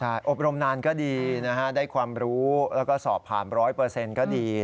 ใช่อบรมนานก็ดีนะฮะได้ความรู้แล้วก็สอบผ่าน๑๐๐ก็ดี